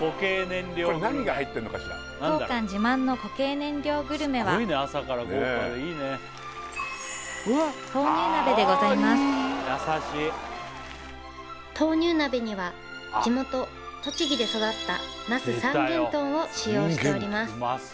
当館自慢の固形燃料グルメは豆乳鍋には地元栃木で育った那須三元豚を使用しております